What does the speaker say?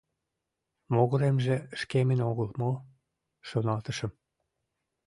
Могыремже шкемын огыл мо? — шоналтышым.